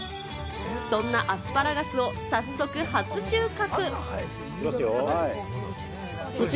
そのアスパラガスを早速、初収穫。